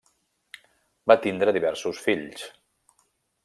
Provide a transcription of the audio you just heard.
Va tindre diversos fills.